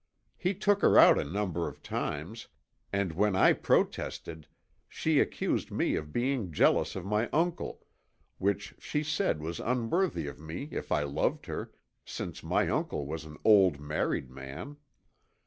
He took her out a number of times and when I protested she accused me of being jealous of my uncle, which she said was unworthy of me if I loved her, since my uncle was an old married man.